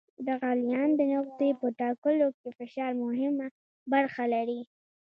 د غلیان د نقطې په ټاکلو کې فشار مهمه برخه لري.